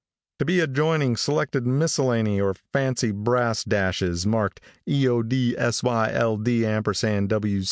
To be adjoining selected miscellany or fancy brass dashes marked eodsyld&w*!